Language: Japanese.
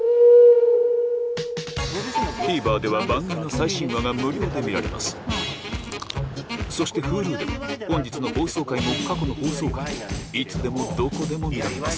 ＴＶｅｒでは番組の最新話が無料で見られますそしてＨｕｌｕでは本日の放送回も過去の放送回もいつでもどこでも見られます